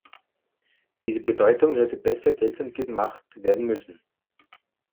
Diese Bedeutung hätte besser geltend gemacht werden müssen.